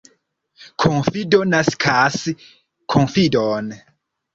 Konfido naskas konfidon.